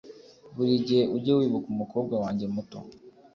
Buri gihe ujye wibuka umukobwa wanjye muto